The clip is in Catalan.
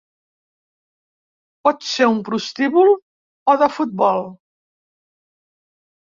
Pot ser un prostíbul o de futbol.